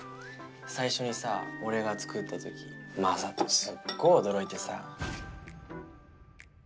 最初にさ俺が作った時雅人すっごい驚いてさ。